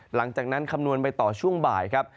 หลังจากนั้นคำนวณไปต่อช่วงบ่ายครับ